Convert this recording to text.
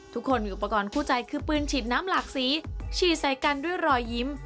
ทุกคนมีอุปกรณ์คู่ใจคือปืนฉีดน้ำหลากสีฉีดใส่กันด้วยรอยยิ้ม